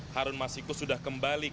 harun masiku had actually